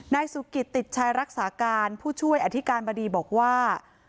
นายสุกิตติดชายรักษาการผู้ช่วยอธิการบดีบอกว่า